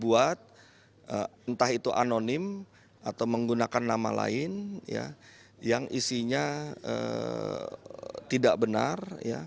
buat entah itu anonim atau menggunakan nama lain yang isinya tidak benar